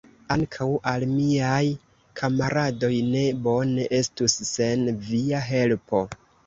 Ankaŭ al miaj kamaradoj ne bone estus sen via helpo!